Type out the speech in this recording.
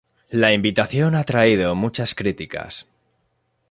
La invitación ha traído muchas críticas.